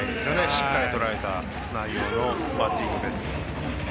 しっかりとらえた内容のバッティングです。